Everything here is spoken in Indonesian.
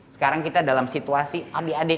sekarang kita dalam situasi adik adik